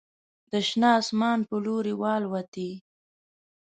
د شنه اسمان په لوري والوتې